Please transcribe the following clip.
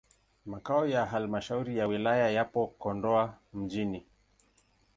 Makao ya halmashauri ya wilaya yapo Kondoa mjini.